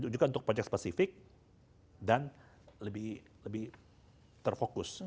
juga untuk pajak spesifik dan lebih terfokus